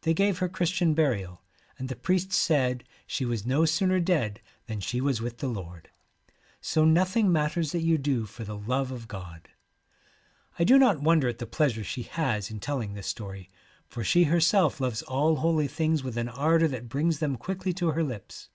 They gave her Christian burial, and the priest said she was no sooner dead than she was with the Lord. So nothing matters that you do for the love of God.' I do not wonder at the pleasure she has in telling this story, for she herself loves all holy things with an ardour that brings them quickly to her lips.